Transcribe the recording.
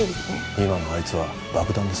今のあいつは爆弾です。